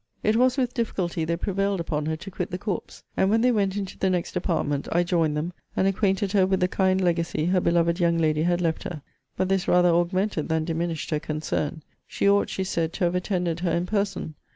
It was with difficulty they prevailed upon her to quit the corpse; and when they went into the next apartment, I joined them, and acquainted her with the kind legacy her beloved young lady had left her; but this rather augmented than diminished her concern. She ought, she said, to have attended her in person.